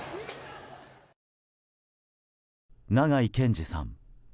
長井健司さん。